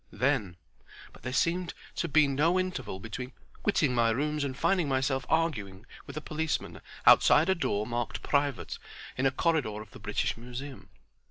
Then—but there seemed to be no interval between quitting my rooms and finding myself arguing with a policeman outside a door marked Private in a corridor of the British Museum.